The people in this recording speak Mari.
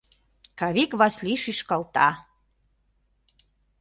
— Кавик Васли шӱшкалта.